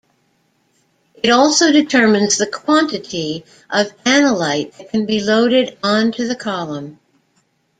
It also determines the quantity of analyte that can be loaded onto the column.